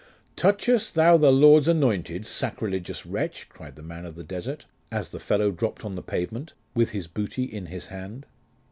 'Touchest thou the Lord's anointed, sacrilegious wretch?' cried the man of the desert, as the fellow dropped on the pavement, with his booty in his hand.